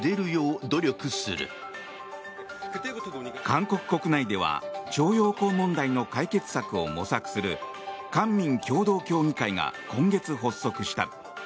韓国国内では徴用工問題の解決策を模索する官民共同協議会が今月発足した。